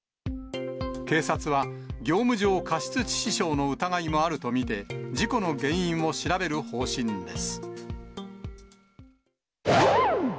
警察は業務上過失致死傷の疑いもあると見て、事故の原因を調べる方針です。